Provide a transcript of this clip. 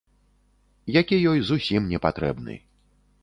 Які ёй зусім не патрэбны.